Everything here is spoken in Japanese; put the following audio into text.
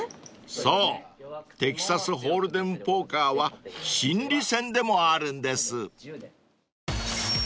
［そうテキサスホールデムポーカーは心理戦でもあるんです］